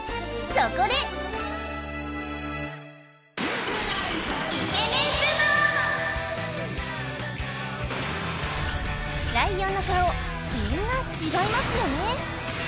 そこでライオンの顔みんな違いますよね？